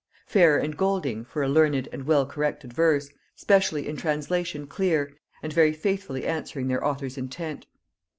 Phaer and Golding for a learned and well corrected verse, specially in translation clear and very faithfully answering their author's intent.